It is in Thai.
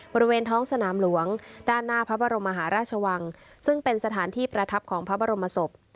บริเวณท้องสนามหลวงด้านหน้าพระบรมมหาราชวังซึ่งเป็นสถานที่ประทับของพระบรมศพ